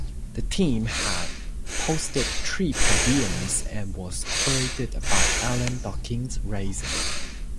The team had posted three podiums and was operated by Alan Docking Racing.